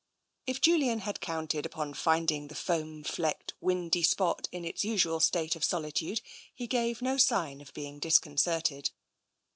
If Julian had counted upon finding the foam flecked, windy spot in its usual state of solitude, he gave no sign of being disconcerted.